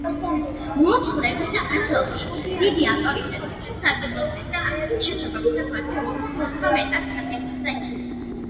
მოძღვრები საქართველოში დიდი ავტორიტეტით სარგებლობდნენ და, შესაბამისად, მათი უფროსი უფრო მეტად პატივსაცემი იქნებოდა.